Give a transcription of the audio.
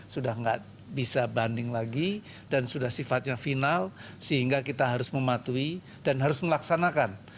sudah tidak bisa banding lagi dan sudah sifatnya final sehingga kita harus mematuhi dan harus melaksanakan